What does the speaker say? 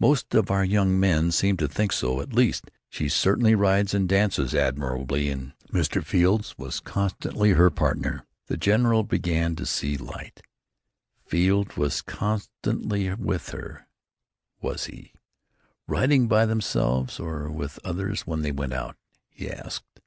Most of our young men seem to think so, at least. She certainly rides and dances admirably, and Mr. Field was constantly her partner." The general began to see light. "Field was constantly with her, was he? Riding just by themselves or with others when they went out?" he asked.